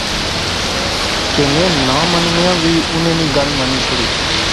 کہ میں ناں منیاں وی انیں نی گل منی شوڑی